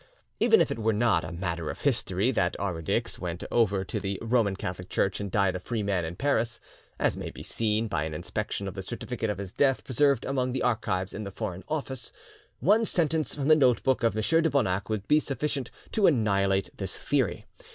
Even if it were not a matter of history that Arwedicks went over to the Roman Catholic Church and died a free man in Paris, as may be seen by an inspection of the certificate of his death preserved among the archives in the Foreign Office, one sentence from the note book of M. de Bonac would be sufficient to annihilate this theory.